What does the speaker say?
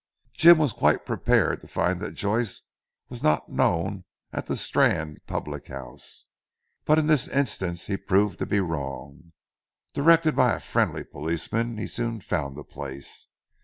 Jim was quite prepared to find that Joyce was not known at the Strand public house, but in this instance he proved to be wrong. Directed by a friendly policeman, he soon found the place.